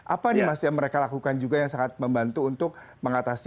apa nih mas yang mereka lakukan juga yang sangat membantu untuk mengatasi